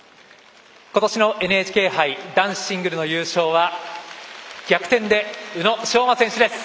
今年のＮＨＫ杯男子シングルの優勝は逆転で宇野昌磨選手です。